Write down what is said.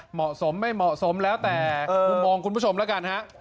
เหมาะสมไม่เหมาะสมแล้วแต่มุมมองคุณผู้ชมแล้วกันฮะ